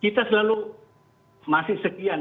kita selalu masih sekian